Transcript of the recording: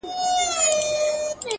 سترگي دي ژوند نه اخلي مرگ اخلي اوس ـ